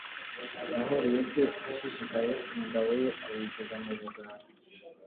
Yahoreye se ashishikaye, Ingabo ye ayigeza mu Bugara